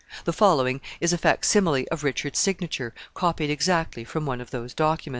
The following is a fac simile of Richard's signature, copied exactly from one of those documents.